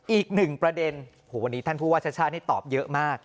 อีกหนึ่งประเด็นวันนี้ท่านผู้ว่าชาติชาตินี่ตอบเยอะมาก